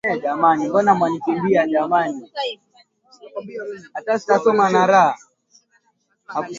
Ulaya pamoja na watumwa walioletwa kutoka Afrika Tangu